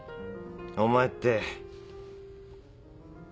お前って。